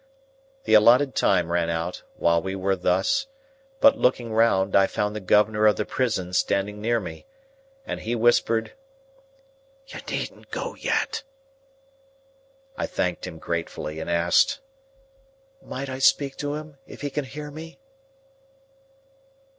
The allotted time ran out, while we were thus; but, looking round, I found the governor of the prison standing near me, and he whispered, "You needn't go yet." I thanked him gratefully, and asked, "Might I speak to him, if he can hear me?"